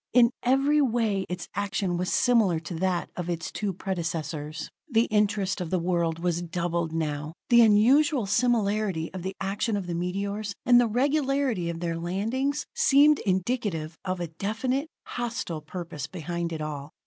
In every way its action was similar to that of its two predecessors. The interest of the world was doubled now. The unusual similarity of the action of the meteors, and the regularity of their landings, seemed indicative of a definite, hostile purpose behind it all.